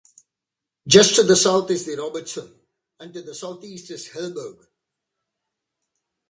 Just to the south is the Robertson, and to the southeast is Helberg.